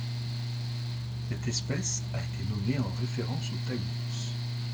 Cette espèce a été nommée en référence aux Taïnos.